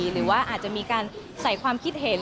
หรือว่าอาจจะมีการใส่ความคิดเห็น